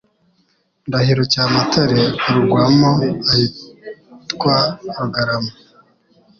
Ndahiro Cyamatare arugwamo ahitwa Rugarama